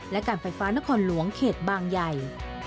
และการไฟฟ้านครหลวงเขตบางใหญ่